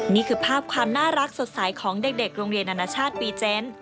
นี่คือภาพความน่ารักสดใสของเด็กโรงเรียนอนาชาติปีเจน